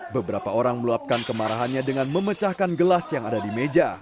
beberapa orang meluapkan kemarahannya dengan memecahkan gelas yang ada di meja